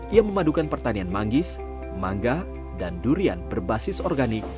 ia memadukan pertanian manggis mangga dan durian berbasis organik